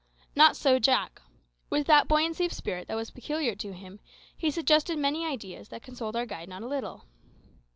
Not so, Jack. With that buoyancy of spirit that was peculiar to him, he suggested many ideas that consoled our guide not a little.